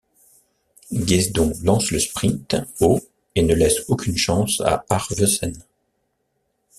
Guesdon lance le sprint aux et ne laisse aucune chance à Arvesen.